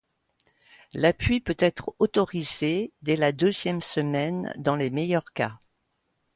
L'appui peut être autorisé dès la deuxième semaine dans les meilleurs cas.